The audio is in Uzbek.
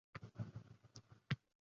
Unga muhabbat bering.